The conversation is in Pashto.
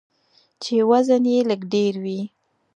چې وزن یې ډیر لږوي.